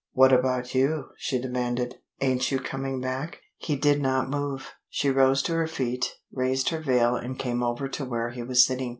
"What about you?" she demanded. "Ain't you coming back?" He did not move. She rose to her feet, raised her veil and came over to where he was sitting.